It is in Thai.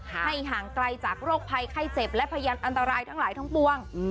ห่างไกลจากโรคภัยไข้เจ็บและพยานอันตรายทั้งหลายทั้งปวง